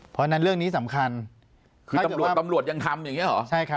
เพราะฉะนั้นเรื่องนี้สำคัญคือตำรวจตำรวจยังทำอย่างนี้เหรอ